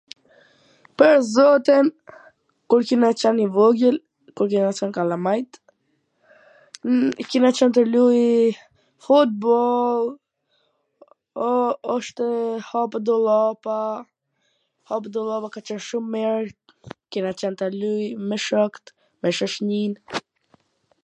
Pwr zotin, kur kena qwn i vogwl, kur kena qwn kalamajt, kena qwn tu luj futboooll, oo wshtw hapa dullapa, hapa dullapa ka qwn shum mir, kena qen tu luj me shokt, me shoqnin.